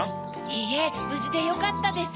いいえぶじでよかったです。